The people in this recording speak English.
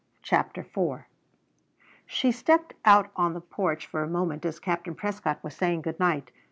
CHAPTER IV She stepped out on the porch for a moment as Captain Prescott was saying good night.